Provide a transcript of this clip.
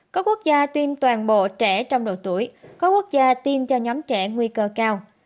các quốc gia tiêm toàn bộ trẻ trong độ tuổi có quốc gia tiêm cho nhóm trẻ nguy cơ cao